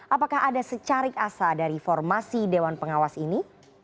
apakah ada secarik asa dari formasi dewan pengawas ini